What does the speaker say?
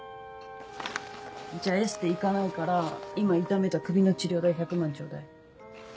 じゃあエステ行かないから今痛めた首の治療代１００万ちょうだい。